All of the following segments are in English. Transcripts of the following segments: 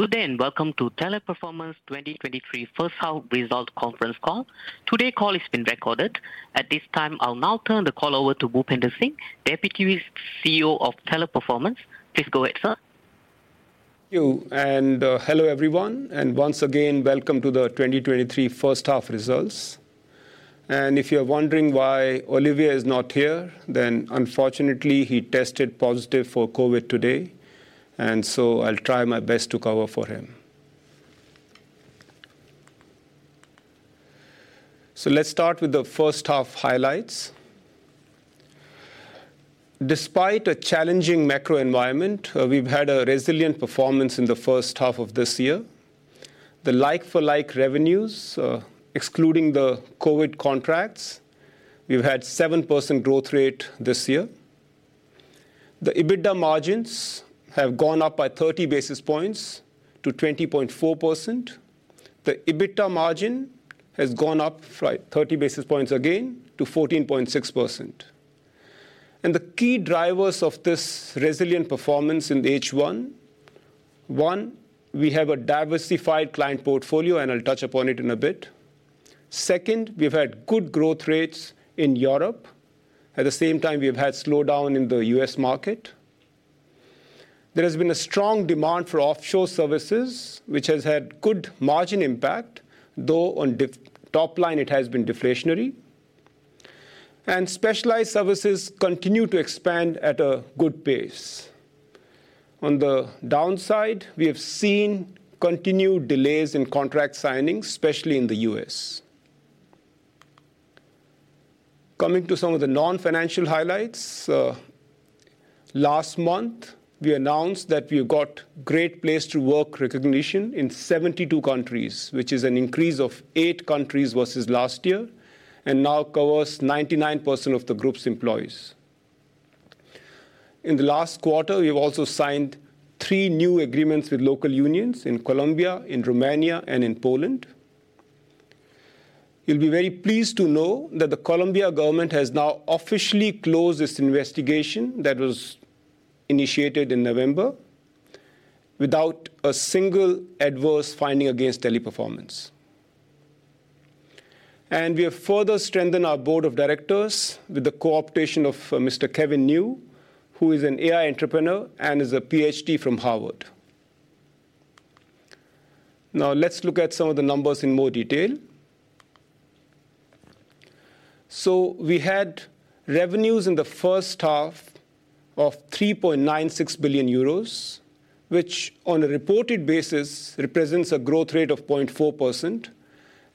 Good day, welcome to Teleperformance 2023 First Half Results Conference Call. Call is being recorded. At this time, I'll now turn the call over to Bhupender Singh, the Deputy CEO of Teleperformance. Please go ahead, sir. Thank you, hello, everyone, and once again, welcome to the 2023 first half results. If you're wondering why Olivier is not here, then unfortunately, he tested positive for COVID today, I'll try my best to cover for him. Let's start with the first half highlights. Despite a challenging macro environment, we've had a resilient performance in the first half of this year. The like-for-like revenues, excluding the COVID contracts, we've had 7% growth rate this year. The EBITDA margins have gone up by 30 basis points to 20.4%. The EBITA margin has gone up by 30 basis points again to 14.6%. The key drivers of this resilient performance in the H1: One, we have a diversified client portfolio, and I'll touch upon it in a bit. Second, we've had good growth rates in Europe. We have had slowdown in the U.S. market. There has been a strong demand for offshore services, which has had good margin impact, though on top line, it has been deflationary. Specialized services continue to expand at a good pace. On the downside, we have seen continued delays in contract signings, especially in the U.S. Coming to some of the non-financial highlights, last month, we announced that we've got Great Place to Work recognition in 72 countries, which is an increase of eight countries versus last year, and now covers 99% of the group's employees. In the last quarter, we've also signed three new agreements with local unions in Colombia, in Romania, and in Poland. You'll be very pleased to know that the Colombia government has now officially closed its investigation that was initiated in November without a single adverse finding against Teleperformance. We have further strengthened our board of directors with the co-optation of Mr. Kevin Niu, who is an AI entrepreneur and is a PhD from Harvard. Let's look at some of the numbers in more detail. We had revenues in the first half of 3.96 billion euros, which on a reported basis, represents a growth rate of 0.4%.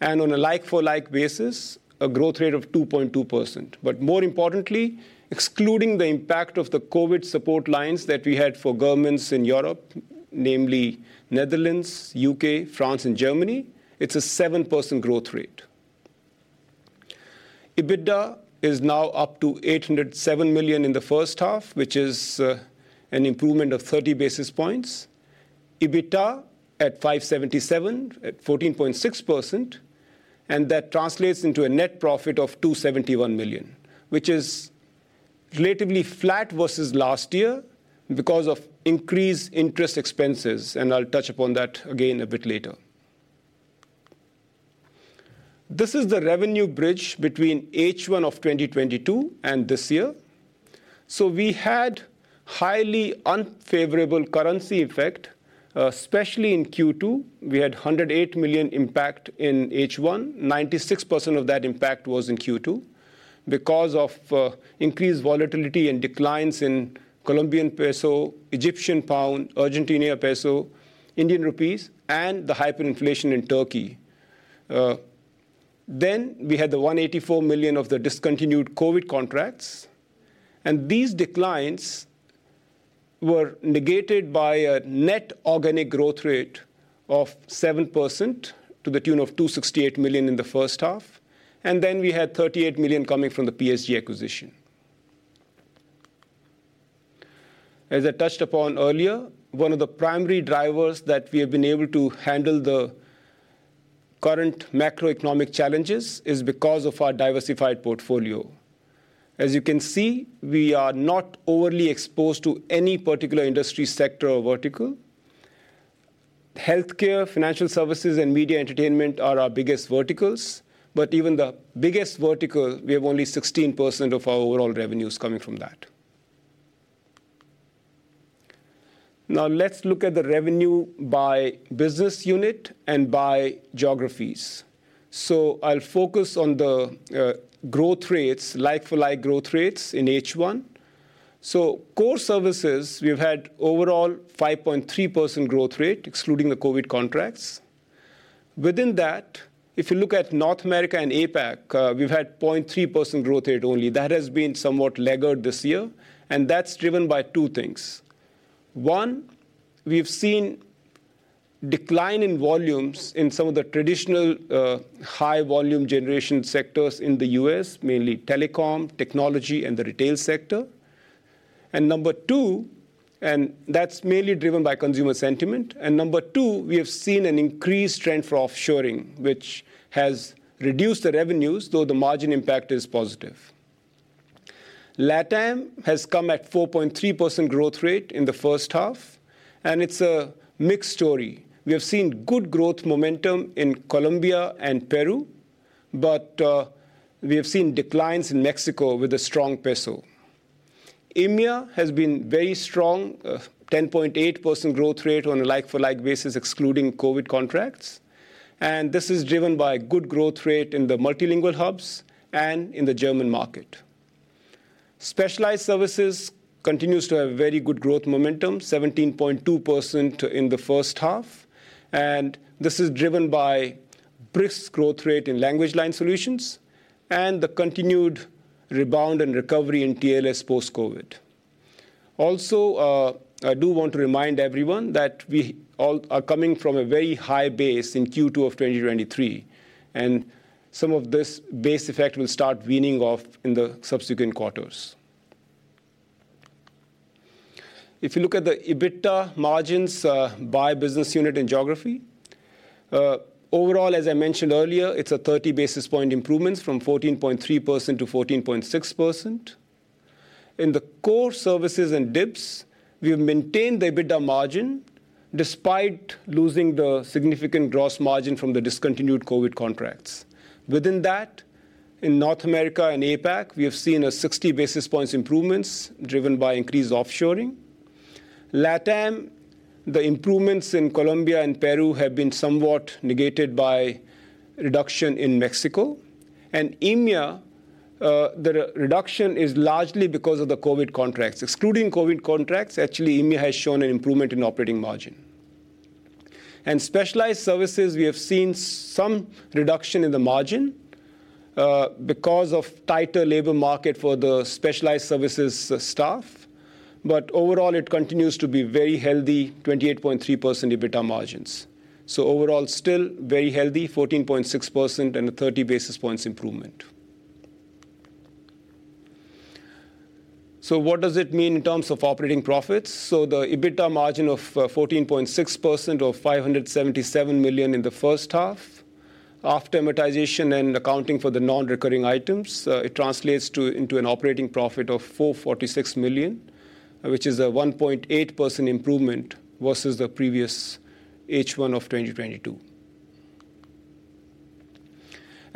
On a like-for-like basis, a growth rate of 2.2%. More importantly, excluding the impact of the COVID support lines that we had for governments in Europe, namely Netherlands, U.K., France, and Germany, it's a 7% growth rate. EBITDA is now up to 807 million in the first half, which is an improvement of 30 basis points. EBITA at 577 million at 14.6%. That translates into a net profit of 271 million, which is relatively flat versus last year because of increased interest expenses. I'll touch upon that again a bit later. This is the revenue bridge between H1 of 2022 and this year. We had highly unfavourable currency effect, especially in Q2. We had 108 million impact in H1. 96% of that impact was in Q2 because of increased volatility and declines in Colombian peso, Egyptian pound, Argentina peso, Indian rupees, and the hyperinflation in Turkey. We had 184 million of the discontinued COVID contracts. These declines were negated by a net organic growth rate of 7% to the tune of 268 million in the first half. We had 38 million coming from the PSG acquisition. I touched upon earlier, one of the primary drivers that we have been able to handle the current macroeconomic challenges is because of our diversified portfolio. You can see, we are not overly exposed to any particular industry, sector, or vertical. Healthcare, financial services, and media entertainment are our biggest verticals. Even the biggest vertical, we have only 16% of our overall revenues coming from that. Let's look at the revenue by business unit and by geographies. I'll focus on the growth rates, like-for-like growth rates in H1. Core services, we've had overall 5.3% growth rate, excluding the COVID contracts. Within that, if you look at North America and APAC, we've had 0.3% growth rate only. That has been somewhat laggard this year, and that's driven by two things. One, we've seen decline in volumes in some of the traditional, high volume generation sectors in the U.S., mainly telecom, technology, and the retail sector. That's mainly driven by consumer sentiment. Number two, we have seen an increased trend for offshoring, which has reduced the revenues, though the margin impact is positive. LatAm has come at 4.3% growth rate in the first half. It's a mixed story. We have seen good growth momentum in Colombia and Peru. We have seen declines in Mexico with a strong peso. EMEA has been very strong, 10.8% growth rate on a like-for-like basis, excluding COVID contracts. This is driven by good growth rate in the multilingual hubs and in the German market. Specialized services continues to have very good growth momentum, 17.2% in the first half. This is driven by brisk growth rate in LanguageLine Solutions and the continued rebound and recovery in TLS post-COVID. Also, I do want to remind everyone that we all are coming from a very high base in Q2 of 2023. Some of this base effect will start weaning off in the subsequent quarters. If you look at the EBITDA margins by business unit and geography, overall, as I mentioned earlier, it's a 30 basis point improvements from 14.3% to 14.6%. In the core services and D.I.B.S., we have maintained the EBITDA margin despite losing the significant gross margin from the discontinued COVID contracts. Within that, in North America and APAC, we have seen a 60 basis points improvement, driven by increased offshoring. LatAm, the improvements in Colombia and Peru have been somewhat negated by reduction in Mexico. EMEA, the reduction is largely because of the COVID contracts. Excluding COVID contracts, actually, EMEA has shown an improvement in operating margin. Specialized services, we have seen some reduction in the margin because of tighter labor market for the specialized services staff, but overall it continues to be very healthy, 28.3% EBITDA margins. Overall, still very healthy, 14.6% and a 30 basis points improvement. What does it mean in terms of operating profits? The EBITDA margin of 14.6% or 577 million in the H1. After amortization and accounting for the non-recurring items, it translates into an operating profit of 446 million, which is a 1.8% improvement versus the previous H1 of 2022.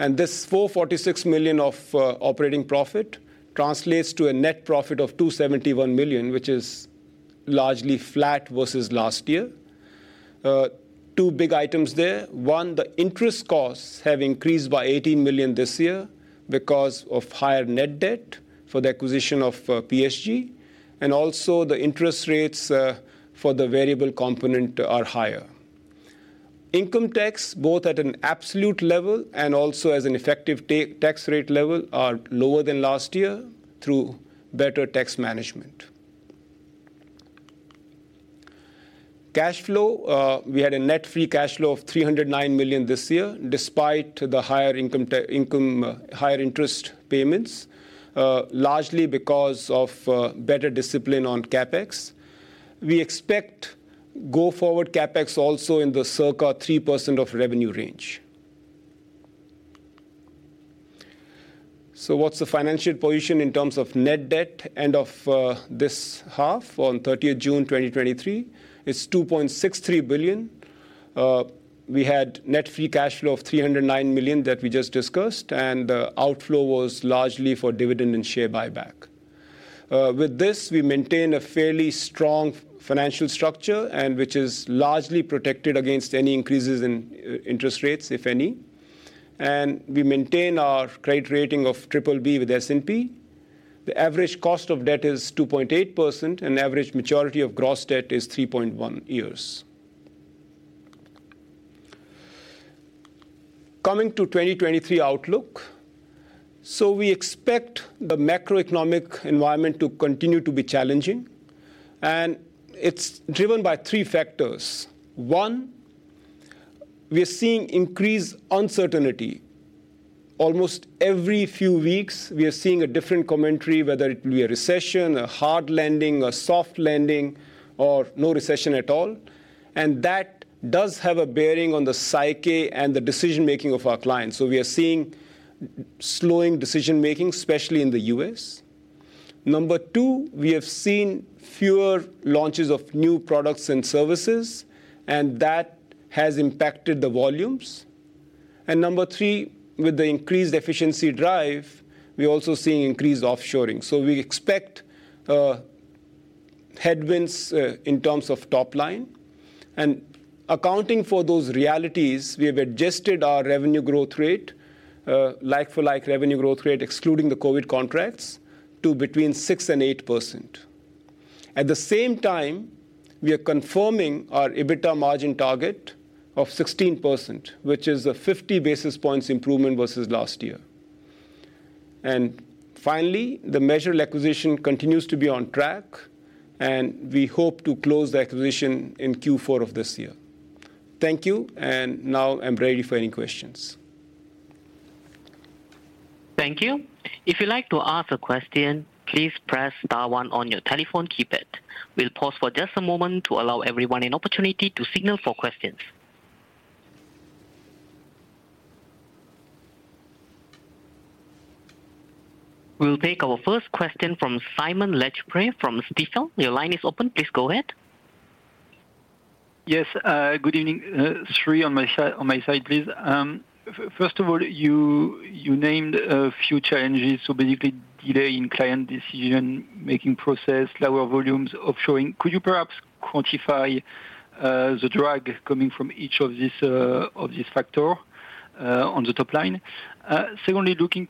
This 446 million of operating profit translates to a net profit of 271 million, which is largely flat versus last year. Two big items there. One, the interest costs have increased by 18 million this year because of higher net debt for the acquisition of PSG, and also the interest rates for the variable component are higher. Income tax, both at an absolute level and also as an effective tax rate level, are lower than last year through better tax management. Cash flow, we had a net free cash flow of 309 million this year, despite the higher income, higher interest payments, largely because of better discipline on CapEx. We expect go forward CapEx also in the circa 3% of revenue range. What's the financial position in terms of net debt and of this half on 30th June 2023? It's 2.63 billion. We had net free cash flow of 309 million that we just discussed, and the outflow was largely for dividend and share buyback. With this, we maintain a fairly strong financial structure, and which is largely protected against any increases in interest rates, if any. We maintain our credit rating of BBB with S&P. The average cost of debt is 2.8%. Average maturity of gross debt is 3.1 years. Coming to 2023 outlook. We expect the macroeconomic environment to continue to be challenging, and it's driven by 3 factors. 1, we are seeing increased uncertainty. Almost every few weeks, we are seeing a different commentary, whether it be a recession, a hard landing, a soft landing, or no recession at all. That does have a bearing on the psyche and the decision-making of our clients. We are seeing slowing decision-making, especially in the U.S. 2, we have seen fewer launches of new products and services. That has impacted the volumes. 3, with the increased efficiency drive, we're also seeing increased offshoring. We expect headwinds in terms of top line. Accounting for those realities, we have adjusted our revenue growth rate, like-for-like revenue growth rate, excluding the COVID contracts, to between 6% and 8%. At the same time, we are confirming our EBITDA margin target of 16%, which is a 50 basis points improvement versus last year. Finally, the Majorel acquisition continues to be on track, and we hope to close the acquisition in Q4 of this year. Thank you, and now I'm ready for any questions. Thank you. If you'd like to ask a question, please press star one on your telephone keypad. We'll pause for just a moment to allow everyone an opportunity to signal for questions. We'll take our first question from Simon Lechipre from Stifel. Your line is open. Please go ahead. Yes, good evening, three on my side, please. First of all, you named a few challenges, so basically delay in client decision-making process, lower volumes, offshoring. Could you perhaps quantify the drag coming from each of these of this factor on the top line? Secondly, looking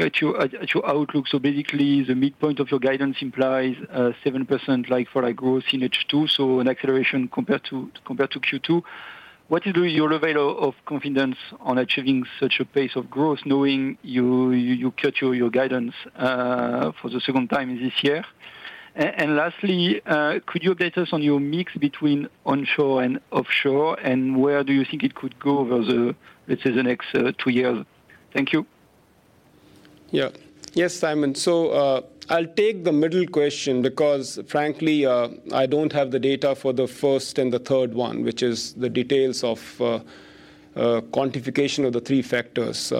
at your outlook, so basically, the midpoint of your guidance implies 7% like-for-like growth in H2, so an acceleration compared to Q2. What is your level of confidence on achieving such a pace of growth, knowing you cut your guidance for the second time this year? And lastly, could you update us on your mix between onshore and offshore, and where do you think it could go over the, let's say, the next two years? Thank you. Yeah. Yes, Simon. I'll take the middle question because frankly, I don't have the data for the first and the third one, which is the details of quantification of the three factors.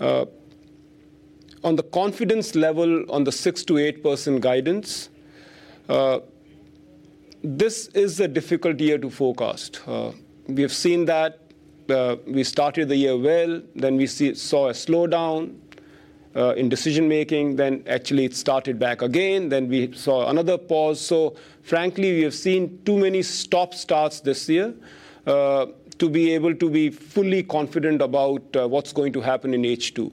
On the confidence level, on the 6%-8% guidance, this is a difficult year to forecast. We have seen that, we started the year well, then we saw a slowdown in decision-making, then actually it started back again, then we saw another pause. Frankly, we have seen too many stop, starts this year, to be able to be fully confident about what's going to happen in H2.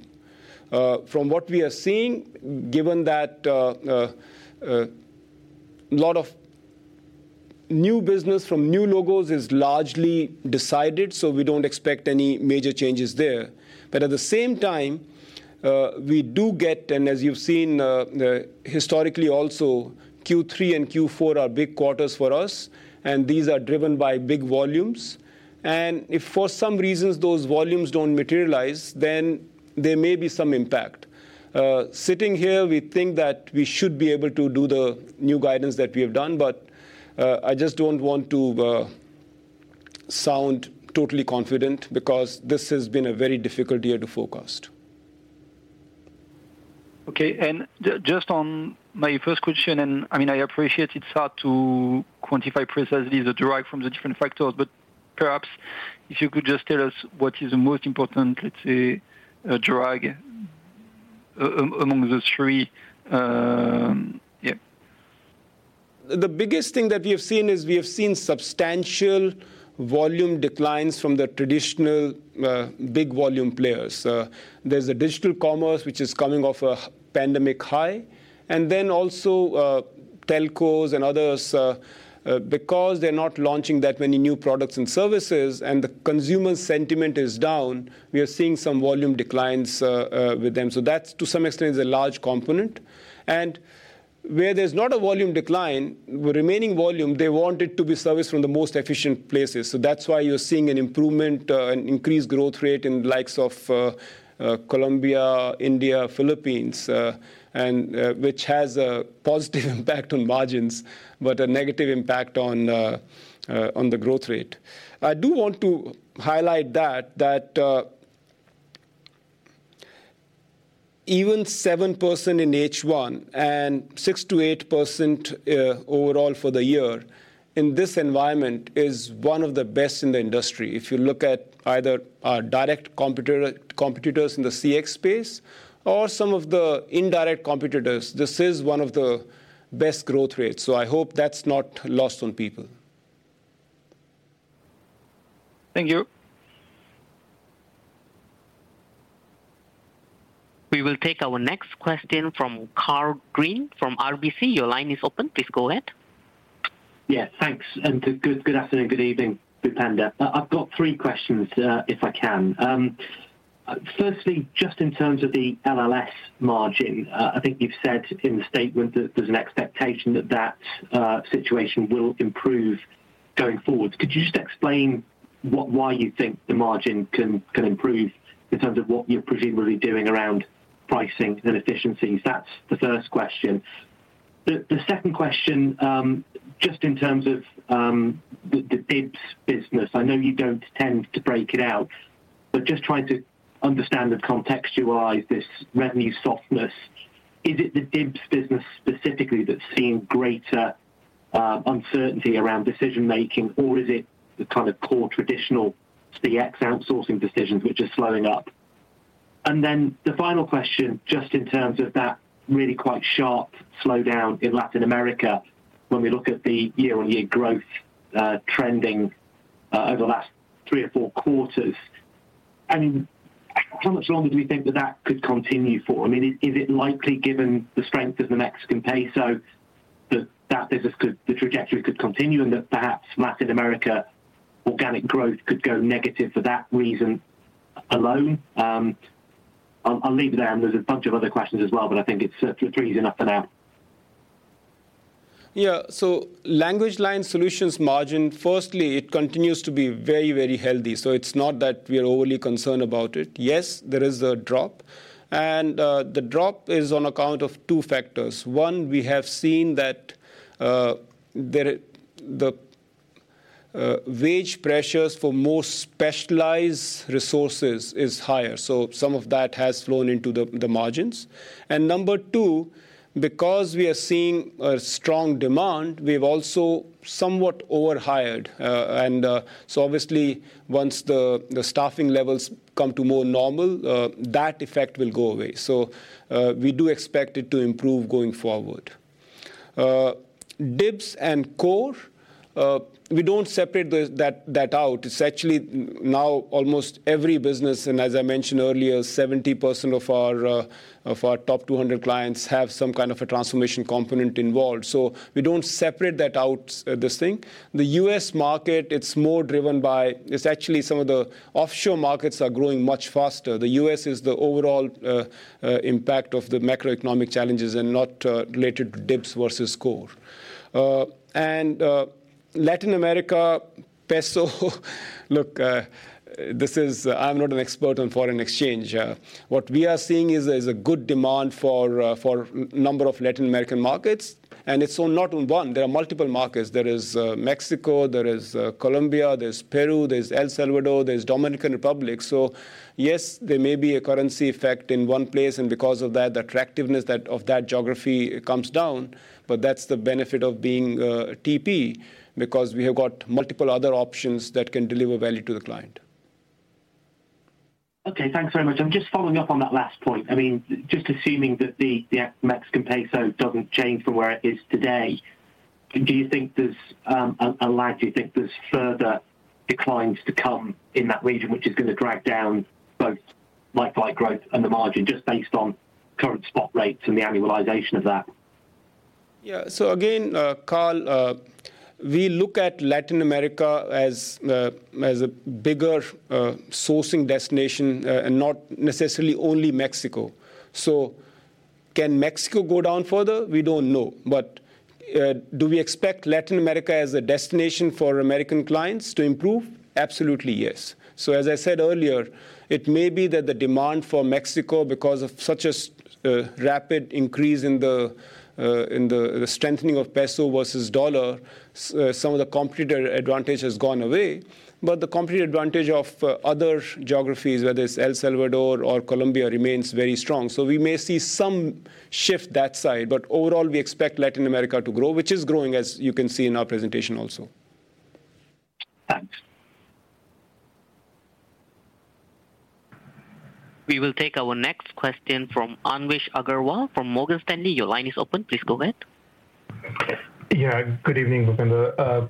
From what we are seeing, given that a lot of new business from new logos is largely decided, so we don't expect any major changes there. At the same time, we do get, and as you've seen, historically also, Q3 and Q4 are big quarters for us. These are driven by big volumes. If for some reasons those volumes don't materialize, then there may be some impact. Sitting here, we think that we should be able to do the new guidance that we have done. I just don't want to sound totally confident because this has been a very difficult year to forecast. Okay, just on my first question, I mean, I appreciate it's hard to quantify precisely the derive from the different factors, but perhaps if you could just tell us what is the most important, let's say, drag among the three, yeah? The biggest thing that we have seen is we have seen substantial volume declines from the traditional, big volume players. There's a digital commerce, which is coming off a pandemic high, and then also, telcos and others, because they're not launching that many new products and services and the consumer sentiment is down, we are seeing some volume declines with them. That's to some extent, is a large component. Where there's not a volume decline, the remaining volume, they want it to be serviced from the most efficient places. That's why you're seeing an improvement, an increased growth rate in the likes of, Colombia, India, Philippines, and which has a positive impact on margins, but a negative impact on the growth rate. I do want to highlight that, even 7% in H1 and 6%-8% overall for the year, in this environment is one of the best in the industry. If you look at either our direct competitors in the CX space or some of the indirect competitors, this is one of the best growth rates. I hope that's not lost on people. Thank you. We will take our next question from Karl Green, from RBC. Your line is open. Please go ahead. Thanks, good afternoon, good evening, Bhupender. I've got three questions, if I can. Firstly, just in terms of the LLS margin, I think you've said in the statement that there's an expectation that situation will improve going forward. Could you just explain why you think the margin can improve in terms of what you're presumably doing around pricing and efficiencies? That's the first question. The second question, just in terms of the D.I.B.S. business, I know you don't tend to break it out, but just trying to understand and contextualize this revenue softness, is it the D.I.B.S. business specifically that's seeing greater uncertainty around decision-making, or is it the kind of core traditional CX outsourcing decisions which are slowing up? The final question, just in terms of that really quite sharp slowdown in Latin America, when we look at the year-on-year growth, trending, over the last 3 or 4 quarters, I mean, how much longer do we think that that could continue for? I mean, is it likely, given the strength of the Mexican peso, the trajectory could continue and that perhaps Latin America organic growth could go negative for that reason alone? I'll leave it there. There's a bunch of other questions as well, but I think it's 3 is enough for now. LanguageLine Solutions margin, firstly, it continues to be very, very healthy, so it's not that we are overly concerned about it. Yes, there is a drop, and the drop is on account of two factors. 1, we have seen that wage pressures for more specialized resources is higher, so some of that has flown into the margins. Number 2, because we are seeing a strong demand, we've also somewhat overhired. Obviously once the staffing levels come to more normal, that effect will go away. We do expect it to improve going forward. D.I.B.S. and core, we don't separate those, that out. It's actually now almost every business, and as I mentioned earlier, 70% of our of our top 200 clients have some kind of a transformation component involved. We don't separate that out, this thing. The U.S. market, it's actually some of the offshore markets are growing much faster. The U.S. is the overall impact of the macroeconomic challenges and not related to D.I.B.S. versus core. Latin America peso. Look, this is. I'm not an expert on foreign exchange. What we are seeing is a good demand for number of Latin American markets, and it's on not on one, there are multiple markets. There is Mexico, there is Colombia, there's Peru, there's El Salvador, there's Dominican Republic. Yes, there may be a currency effect in one place, and because of that, the attractiveness of that geography comes down. That's the benefit of being TP, because we have got multiple other options that can deliver value to the client. Okay, thanks very much. I'm just following up on that last point. I mean, just assuming that the Mexican peso doesn't change from where it is today, do you think there's a lag? Do you think there's further declines to come in that region, which is gonna drag down both like-for-like growth and the margin, just based on current spot rates and the annualization of that? Yeah. Again, Karl, we look at Latin America as a bigger sourcing destination, and not necessarily only Mexico. Can Mexico go down further? We don't know. Do we expect Latin America as a destination for American clients to improve? Absolutely, yes. As I said earlier, it may be that the demand for Mexico, because of such a rapid increase in the strengthening of peso versus dollar, some of the competitive advantage has gone away. The competitive advantage of other geographies, whether it's El Salvador or Colombia, remains very strong. We may see some shift that side, but overall, we expect Latin America to grow, which is growing, as you can see in our presentation also. Thanks. We will take our next question from Anvesh Agarwal from Morgan Stanley. Your line is open, please go ahead. Yeah, good evening, Bhupender.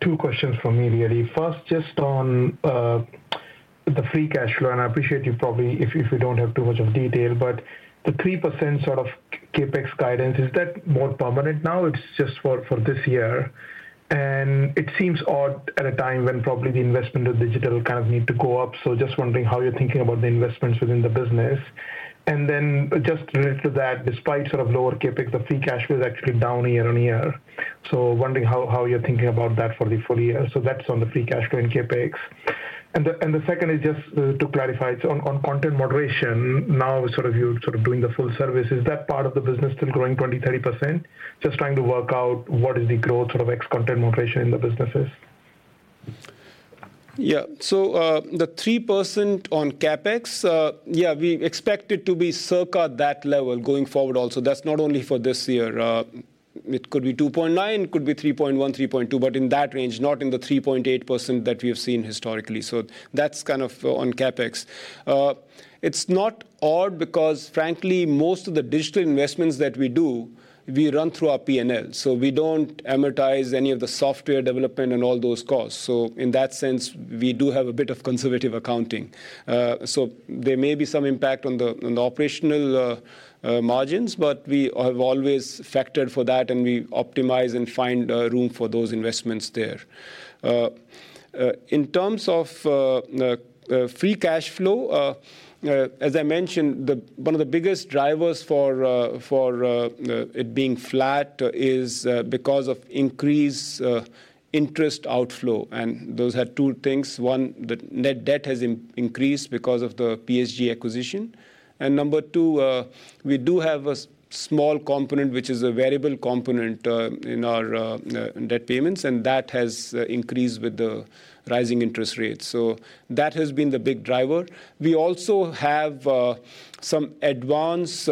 Two questions from me really. First, just on the free cash flow, and I appreciate you probably if you don't have too much of detail, but the 3% sort of CapEx guidance, is that more permanent now? It's just for this year. It seems odd at a time when probably the investment of digital kind of need to go up. Just wondering how you're thinking about the investments within the business. Just related to that, despite sort of lower CapEx, the free cash flow is actually down year-on-year. Wondering how you're thinking about that for the full year. That's on the free cash flow and CapEx. The second is just to clarify on content moderation, now, sort of doing the full service, is that part of the business still growing 20%, 30%? Just trying to work out what is the growth sort of ex content moderation in the businesses. The 3% on CapEx, yeah, we expect it to be circa that level going forward also. That's not only for this year. It could be 2.9, it could be 3.1, 3.2, but in that range, not in the 3.8% that we have seen historically. That's kind of on CapEx. It's not odd because frankly, most of the digital investments that we do, we run through our P&L. We don't amortize any of the software development and all those costs. In that sense, we do have a bit of conservative accounting. There may be some impact on the operational margins, but we have always factored for that, and we optimize and find room for those investments there. In terms of free cash flow, as I mentioned, one of the biggest drivers for it being flat is because of increased interest outflow. Those are two things: One, the net debt has increased because of the PSG acquisition. Number two, we do have a small component, which is a variable component, in our debt payments, and that has increased with the rising interest rates. That has been the big driver. We also have some advanced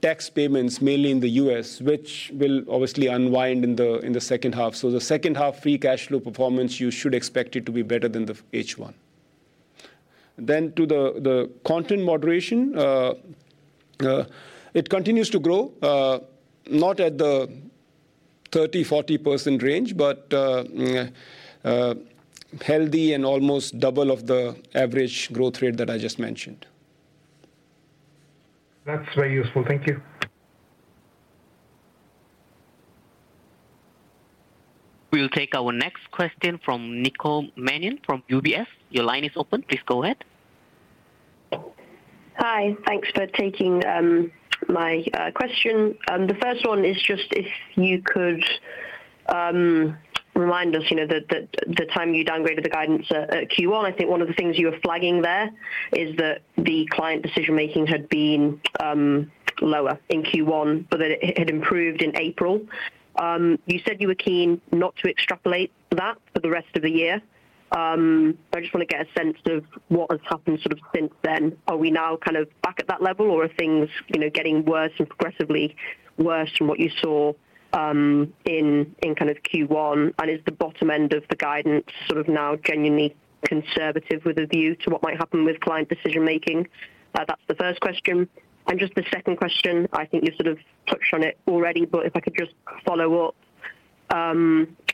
tax payments, mainly in the US, which will obviously unwind in the second half. The second half free cash flow performance, you should expect it to be better than the H1. To the content moderation, it continues to grow, not at the 30%, 40% range, but healthy and almost double of the average growth rate that I just mentioned. That's very useful. Thank you. We will take our next question from Nicole Manion from UBS. Your line is open, please go ahead. Hi, thanks for taking my question. The first one is just if you could remind us, you know, the time you downgraded the guidance at Q1. I think one of the things you were flagging there is that the client decision-making had been lower in Q1, but that it had improved in April. You said you were keen not to extrapolate that for the rest of the year. I just want to get a sense of what has happened sort of since then. Are we now kind of back at that level, or are things, you know, getting worse and progressively worse from what you saw in kind of Q1? Is the bottom end of the guidance sort of now genuinely conservative with a view to what might happen with client decision-making? That's the first question. Just the second question, I think you sort of touched on it already, but if I could just follow up.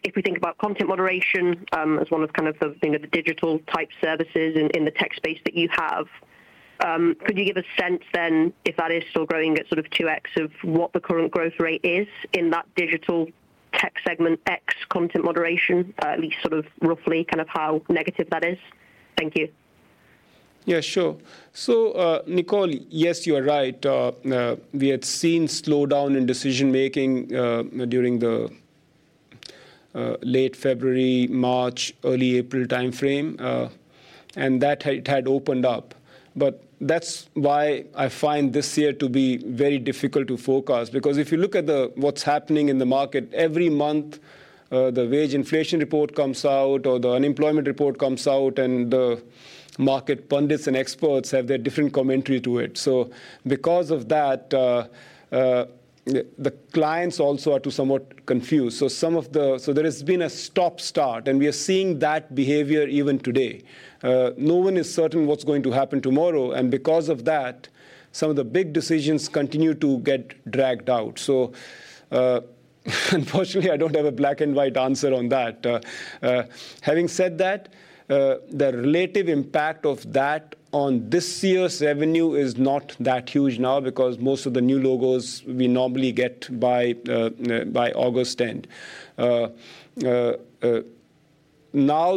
If we think about content moderation, as one of kind of the, you know, the digital-type services in the tech space that you have, could you give a sense then if that is still growing at sort of 2x of what the current growth rate is in that digital tech segment X content moderation, at least sort of roughly, kind of how negative that is? Thank you. Yeah, sure. Nicole, yes, you are right. We had seen slowdown in decision-making during the late February, March, early April timeframe, and that had opened up. That's why I find this year to be very difficult to forecast. If you look at what's happening in the market, every month, the wage inflation report comes out or the unemployment report comes out, and the market pundits and experts have their different commentary to it. Because of that, the clients also are to somewhat confused. There has been a stop-start, and we are seeing that behavior even today. No one is certain what's going to happen tomorrow, and because of that, some of the big decisions continue to get dragged out. Unfortunately, I don't have a black-and-white answer on that. Having said that, the relative impact of that on this year's revenue is not that huge now because most of the new logos we normally get by August end. Now,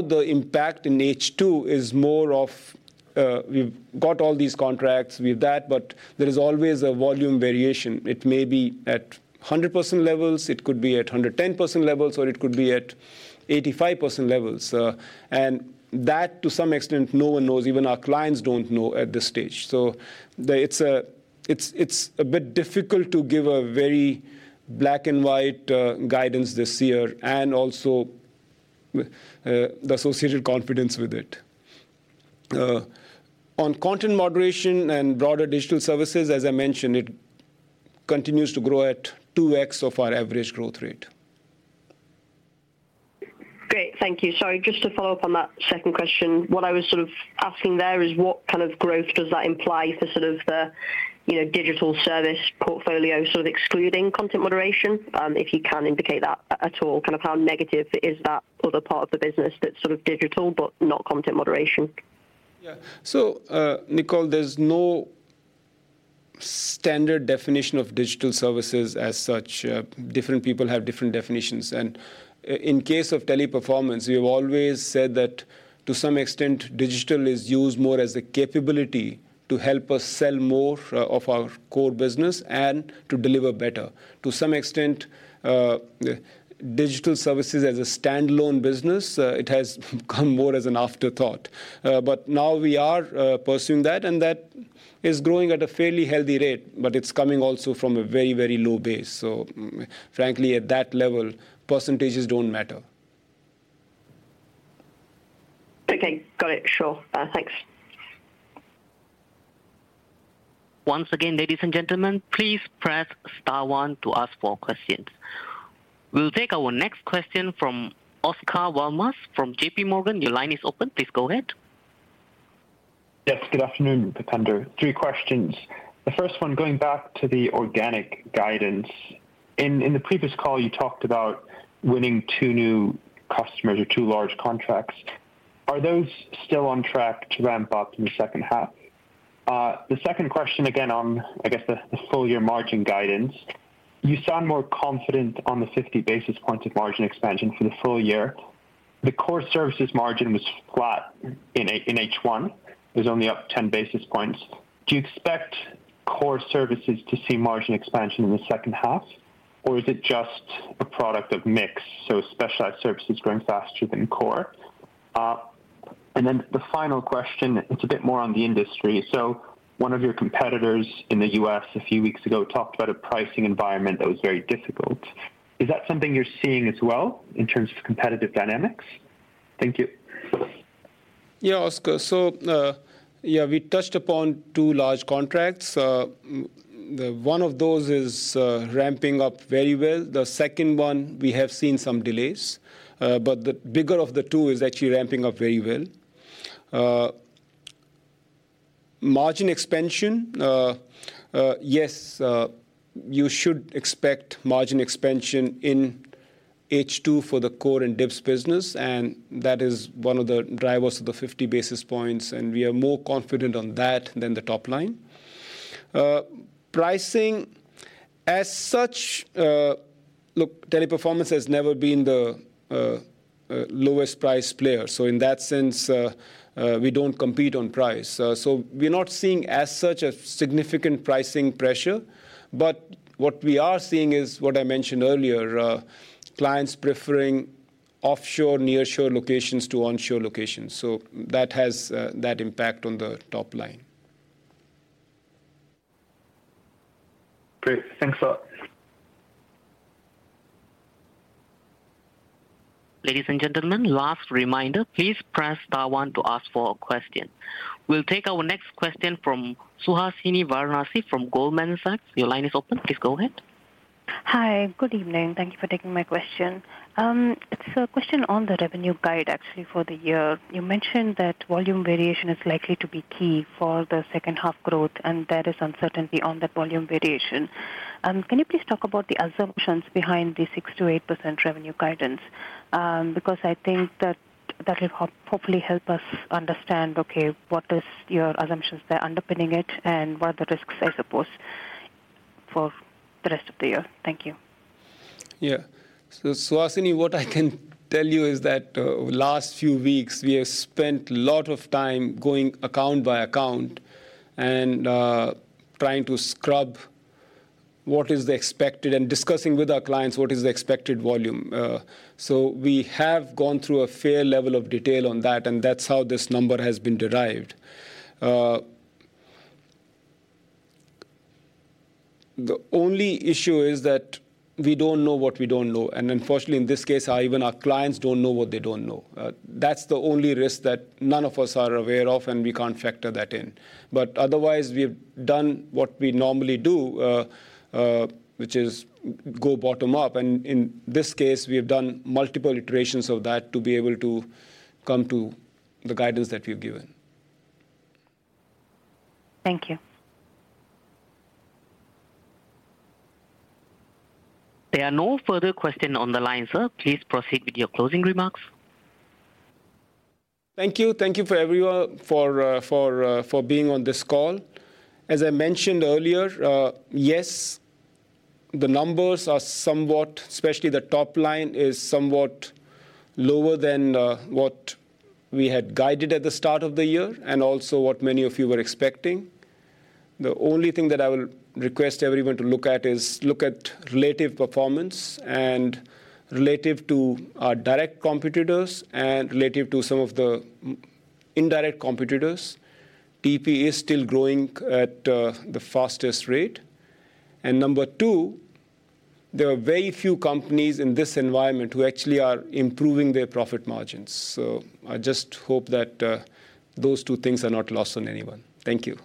the impact in H2 is more of, we've got all these contracts with that, but there is always a volume variation. It may be at 100% levels, it could be at 110% levels, or it could be at 85% levels. That, to some extent, no one knows, even our clients don't know at this stage. It's a bit difficult to give a very black-and-white guidance this year and also the associated confidence with it. On content moderation and broader digital services, as I mentioned, it continues to grow at 2x of our average growth rate. Great. Thank you. Sorry, just to follow up on that second question. What I was sort of asking there is what kind of growth does that imply for sort of the, you know, digital service portfolio, sort of excluding content moderation? If you can indicate that at all, kind of how negative is that other part of the business that's sort of digital but not content moderation? Nicole, there's no standard definition of digital services as such. Different people have different definitions, and in case of Teleperformance, we have always said that, to some extent, digital is used more as a capability to help us sell more of our core business and to deliver better. To some extent, digital services as a standalone business, it has come more as an afterthought. Now we are pursuing that, and that is growing at a fairly healthy rate, but it's coming also from a very, very low base. Frankly, at that level, percentages don't matter. Okay. Got it. Sure. Thanks. Once again, ladies and gentlemen, please press star one to ask for questions. We'll take our next question from Oscar Val Mas from JP Morgan. Your line is open. Please go ahead. Yes, good afternoon, Bhupender. Three questions. The first one, going back to the organic guidance. In the previous call, you talked about winning 2 new customers or 2 large contracts. Are those still on track to ramp up in the second half? The second question, again on, I guess, the full year margin guidance. You sound more confident on the 50 basis points of margin expansion for the full year. The core services margin was flat in H1. It was only up 10 basis points. Do you expect core services to see margin expansion in the second half, or is it just a product of mix, so specialized services growing faster than core? The final question, it's a bit more on the industry. One of your competitors in the U.S. a few weeks ago talked about a pricing environment that was very difficult. Is that something you're seeing as well in terms of competitive dynamics? Thank you. Oscar. We touched upon 2 large contracts. The one of those is ramping up very well. The second one, we have seen some delays, but the bigger of the 2 is actually ramping up very well. Margin expansion, you should expect margin expansion in H2 for the core and D.I.B.S. business, and that is one of the drivers of the 50 basis points, and we are more confident on that than the top line. Pricing. As such, look, Teleperformance has never been the lowest price player, in that sense, we don't compete on price. We're not seeing as such a significant pricing pressure, but what we are seeing is what I mentioned earlier, clients preferring offshore, nearshore locations to onshore locations, so that has that impact on the top line. Great. Thanks a lot. Ladies and gentlemen, last reminder, please press star one to ask for a question. We'll take our next question from Suhasini Varanasi from Goldman Sachs. Your line is open. Please go ahead. Hi. Good evening. Thank you for taking my question. It's a question on the revenue guide actually for the year. You mentioned that volume variation is likely to be key for the second half growth, and there is uncertainty on the volume variation. Can you please talk about the assumptions behind the 6%-8% revenue guidance? Because I think that that will hopefully help us understand, okay, what is your assumptions there underpinning it, and what are the risks, I suppose, for the rest of the year? Thank you. Yeah. Suhasini, what I can tell you is that last few weeks we have spent a lot of time going account by account and trying to scrub what is the expected and discussing with our clients what is the expected volume. We have gone through a fair level of detail on that, and that's how this number has been derived. The only issue is that we don't know what we don't know, and unfortunately, in this case, our, even our clients don't know what they don't know. That's the only risk that none of us are aware of, and we can't factor that in. Otherwise, we've done what we normally do, which is go bottom up, and in this case, we have done multiple iterations of that to be able to come to the guidance that we've given. Thank you. There are no further questions on the line, sir. Please proceed with your closing remarks. Thank you. Thank you for everyone for being on this call. As I mentioned earlier, yes, the numbers are somewhat... especially the top line, is somewhat lower than what we had guided at the start of the year and also what many of you were expecting. The only thing that I will request everyone to look at is look at relative performance, and relative to our direct competitors and relative to some of the indirect competitors, TP is still growing at the fastest rate. Number two, there are very few companies in this environment who actually are improving their profit margins. I just hope that those two things are not lost on anyone. Thank you.